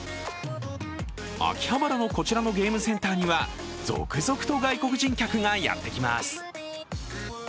秋葉原のこちらのゲームセンターには続々と外国人客がやってきます。